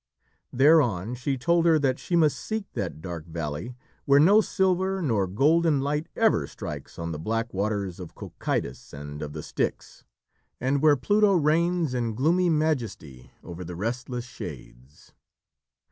Thereon she told her that she must seek that dark valley where no silver nor golden light ever strikes on the black waters of Cocytus and of the Styx; and where Pluto reigns in gloomy majesty over the restless shades.